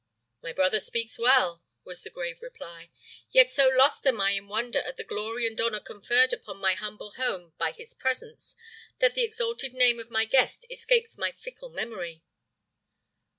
"My brother speaks well," was the grave reply; "yet so lost am I in wonder at the glory and honor conferred upon my humble home by his presence, that the exalted name of my guest escapes my fickle memory."